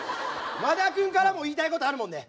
和田君からも言いたいことあるもんね？